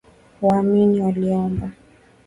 Waamini waliomba